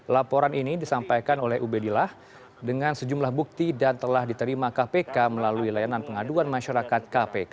laporan ini disampaikan oleh ubedillah dengan sejumlah bukti dan telah diterima kpk melalui layanan pengaduan masyarakat kpk